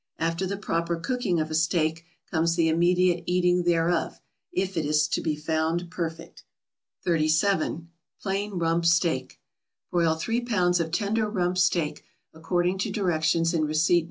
After the proper cooking of a steak comes the immediate eating thereof, if it is to be found perfect. 37. =Plain Rump Steak.= Broil three pounds of tender rump steak according to directions in receipt No.